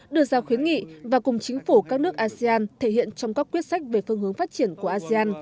đưa ra khuyến nghị và cùng chính phủ các nước asean thể hiện trong các quyết sách về phương hướng phát triển của asean